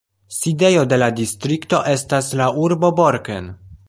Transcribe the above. Sidejo de la distrikto estas la urbo Borken.